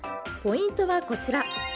ポイントはこちら。